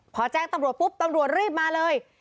พอแจ้งตำรวจปุ๊บตำรวจรีบมาเลย